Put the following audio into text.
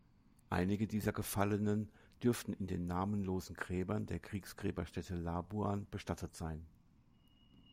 Einige dieser Gefallenen dürften in den namenlosen Gräbern der Kriegsgräberstätte Labuan bestattet sein.